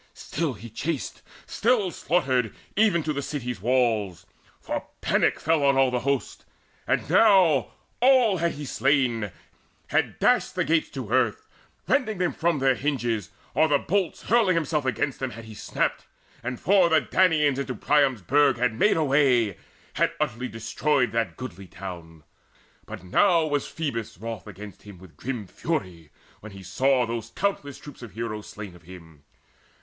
Still he chased, Still slaughtered, even to the city's walls; For panic fell on all the host. And now All had he slain, had dashed the gates to earth, Rending them from their hinges, or the bolts, Hurling himself against them, had he snapped, And for the Danaans into Priam's burg Had made a way, had utterly destroyed That goodly town but now was Phoebus wroth Against him with grim fury, when he saw Those countless troops of heroes slain of him.